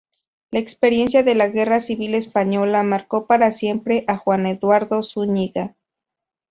La experiencia de la Guerra Civil Española marcó para siempre a Juan Eduardo Zúñiga.